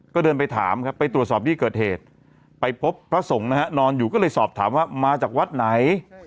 ก็เดินไปถามครับไปตรวจสอบที่เกิดเหตุไปพบพระสงฆ์นะฮะนอนอยู่ก็เลยสอบถามว่ามาจากวัดไหน